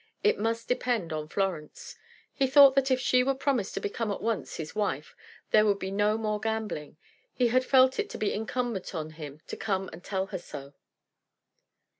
It must depend on Florence. He thought that if she would promise to become at once his wife, there would be no more gambling. He had felt it to be incumbent on him to come and tell her so."